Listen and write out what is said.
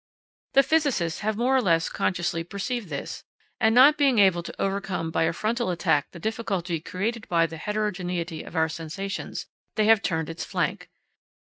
The physicists have more or less consciously perceived this, and, not being able to overcome by a frontal attack the difficulty created by the heterogeneity of our sensations, they have turned its flank.